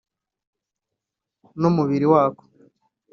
n’umubiri wako